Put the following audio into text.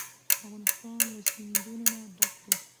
افغانستان له سیندونه ډک دی.